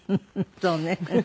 そうね。